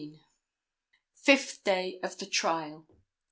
Fifth Day of the Trial.